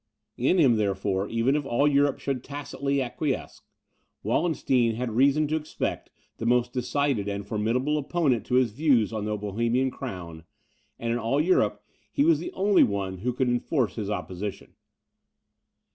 In him, therefore, even if all Europe should tacitly acquiesce, Wallenstein had reason to expect the most decided and formidable opponent to his views on the Bohemian crown; and in all Europe he was the only one who could enforce his opposition.